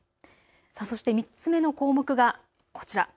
そして３つ目の項目がこちら。